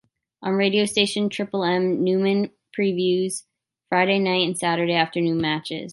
On radio station Triple M, Newman previews Friday night and Saturday afternoon matches.